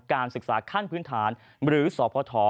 การศึกษาขั้นพื้นฐานหรือสพ